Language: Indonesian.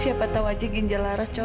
siapa tahu ginjal laras cocok